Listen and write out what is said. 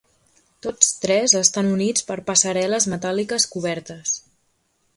Tots tres estan units per passarel·les metàl·liques cobertes.